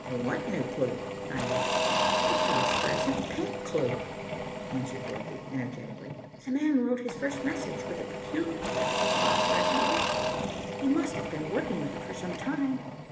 "What new clue?" I asked. "The phosphorescent paint clue," answered Dorothy energetically. "'The man' wrote his first message with a peculiar type of phosphorescent ink. He must have been working with it for some time.